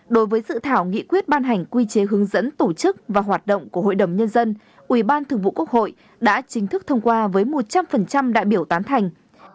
đối với dự thảo nghị quyết ban hành quy chế hướng dẫn tổ chức và hoạt động của hội đồng nhân dân ủy ban thường vụ quốc hội đã chính thức thông qua với một trăm linh đại biểu tán thành